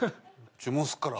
注文すっから。